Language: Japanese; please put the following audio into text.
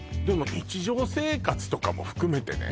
日常生活とかも含めてね